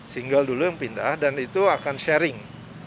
single dulu yang pindah dan itu akan sharing